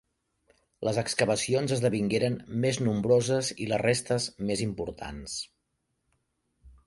Les excavacions esdevingueren més nombroses i les restes més importants.